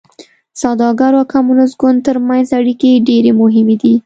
سوداګرو او کمونېست ګوند ترمنځ اړیکې ډېرې مهمې دي.